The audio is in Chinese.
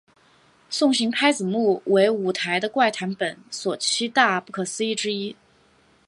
送行拍子木为舞台的怪谈本所七大不可思议之一。